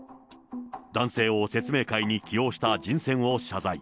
男性を説明会に起用した人選を謝罪。